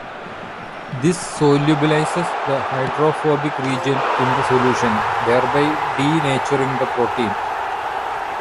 This solubilises the hydrophobic region in the solution, thereby denaturing the protein.